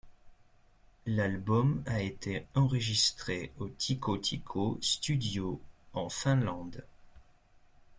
L'album a été enregistré au Tico-tico studios en Finlande.